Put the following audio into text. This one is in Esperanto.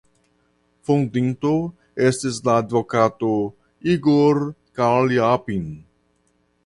Fondinto estis la advokato "Igor Kaljapin".